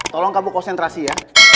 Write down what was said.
tolong kamu konsentrasi ya